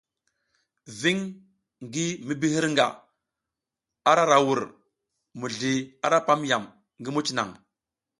Viŋ ngi mi bi hirga ara ra vur, mizli ara pam yam ngi muc naŋ.